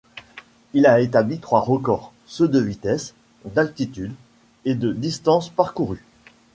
Il a établi trois records, ceux de vitesse, d'altitude et de distance parcourue.